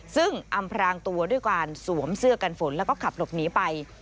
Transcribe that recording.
ซึ่งอำพรางตัวด้วยการสวมเสื้อกันฝนแล้วก็ขับหลบหนีไป